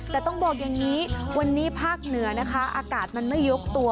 แต่ต้องบอกอย่างนี้วันนี้ภาคเหนือนะคะอากาศมันไม่ยกตัว